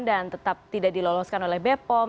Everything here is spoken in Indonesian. dan tetap tidak diloloskan oleh bepom